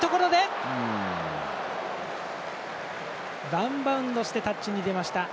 ワンバウンドしてタッチに出ました。